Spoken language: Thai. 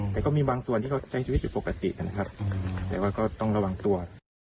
แต่ก็มีบางส่วนที่เขาใช้ชีวิตอยู่ปกตินะครับแต่ว่าก็ต้องระวังตัว